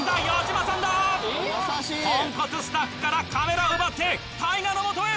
ぽんこつスタッフからカメラを奪ってＴＡＩＧＡの元へ！